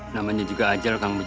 namanya juga ajal kang